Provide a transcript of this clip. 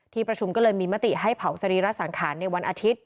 ประชุมก็เลยมีมติให้เผาสรีระสังขารในวันอาทิตย